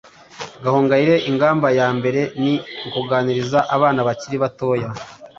Gahongayire: Ingamba ya mbere ni ukuganiriza abana bakiri batoya,